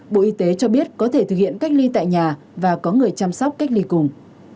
bộ y tế cho biết có thể thực hiện cách ly tại nhà và có người chăm sóc cách ly cùng